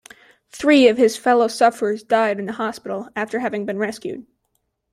Three of his fellow sufferers died in a hospital after having been rescued.